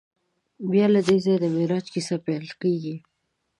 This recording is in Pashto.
بیا له دې ځایه د معراج کیسه پیل کېږي.